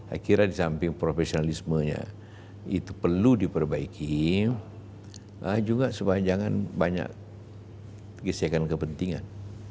akhirnya di samping profesionalismenya itu perlu diperbaiki juga sepanjangnya banyak kisahkan kepentingan